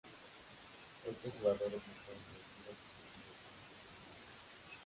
Ocho jugadores no fueron elegidos y se convirtieron en agentes libres.